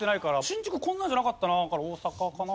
新宿こんなんじゃなかったなだから大阪かな。